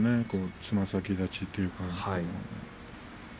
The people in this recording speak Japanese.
つま先立ちというか。